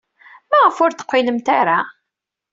Maɣef ur d-teqqilemt ara?